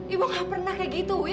ibu gak pernah kayak gitu wi